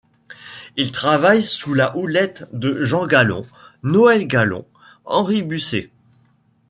Il travaille sous la houlette de Jean Gallon, Noël Gallon, Henri Busser.